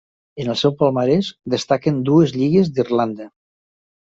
En el seu palmarès destaquen dues lligues d'Irlanda.